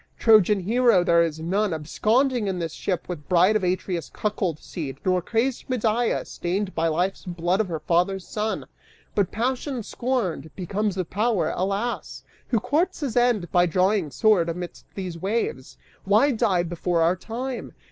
Trojan hero there is none Absconding in this ship with bride of Atreus' cuckold seed Nor crazed Medea, stained by life's blood of her father's son! But passion scorned, becomes a power: alas! who courts his end By drawing sword amidst these waves? Why die before our time?